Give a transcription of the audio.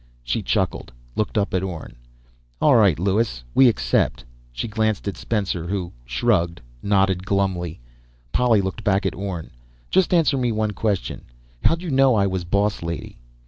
She chuckled, looked up at Orne. "All right, Lewis. We accept." She glanced at Spencer, who shrugged, nodded glumly. Polly looked back at Orne. "Just answer me one question: How'd you know I was boss lady?"